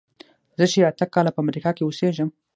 زه چې اته کاله په امریکا کې اوسېږم.